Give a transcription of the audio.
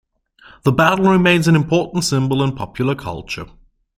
The battle remains an important symbol in popular culture.